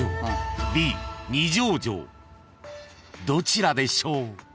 ［どちらでしょう？］